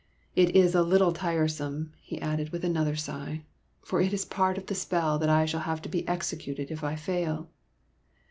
It is a little tire some," he added with another sigh, '' for it is part of the spell that I shall have to be executed if I fail."